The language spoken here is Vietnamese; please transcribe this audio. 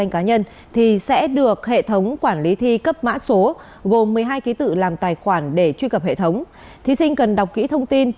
khánh hòa hai trăm bảy mươi lượt